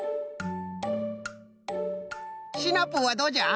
シナプーはどうじゃ？